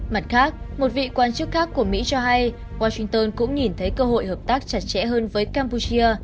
mặt khác một vị quan chức khác của mỹ cho hay washington cũng nhìn thấy cơ hội hợp tác chặt chẽ hơn với campuchia